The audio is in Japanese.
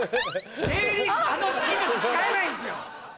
Ｊリーグあの技術使えないんですよ！